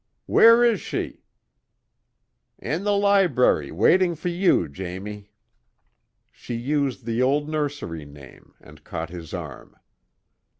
"Where is she?" "In the library waiting for you, Jamie!" She used the old nursery name, and caught his arm.